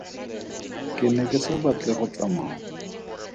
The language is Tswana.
Ke ne ke sa batle go tsamaya.